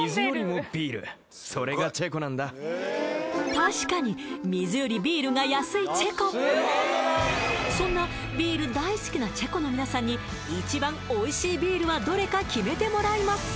確かに水よりビールが安いチェコそんなビール大好きなチェコの皆さんに一番おいしいビールはどれか決めてもらいます